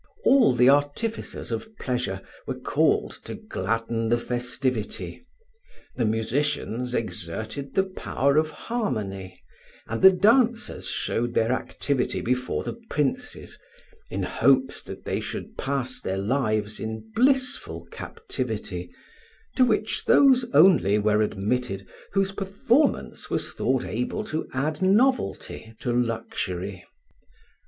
All the artificers of pleasure were called to gladden the festivity; the musicians exerted the power of harmony, and the dancers showed their activity before the princes, in hopes that they should pass their lives in blissful captivity, to which those only were admitted whose performance was thought able to add novelty to luxury.